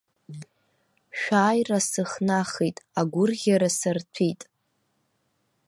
Шәааира сыхнахит, агәырӷьара сарҭәит!